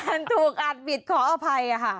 อ่านถูกอ่านผิดขออภัยค่ะ